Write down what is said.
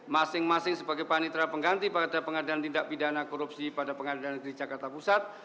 masing masing sebagai panitra pengganti pada pengadilan tindak pidana korupsi pada pengadilan negeri jakarta pusat